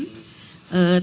kami mohon maaf bapak presiden